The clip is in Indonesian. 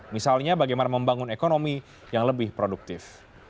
misalnya bagaimana membangun ekonomi yang lebih produktif